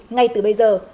ngay từ bây giờ